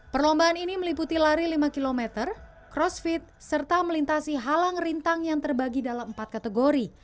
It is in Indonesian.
perlombaan ini meliputi lari lima km crossfit serta melintasi halang rintang yang terbagi dalam empat kategori